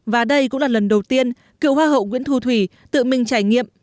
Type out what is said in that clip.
và đây cũng là lần đầu tiên cựu hoa hậu nguyễn thu thủy tự mình trải nghiệm